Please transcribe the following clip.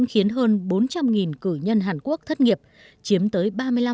hơn bốn trăm linh cử nhân hàn quốc thất nghiệp chiếm tới ba mươi năm tám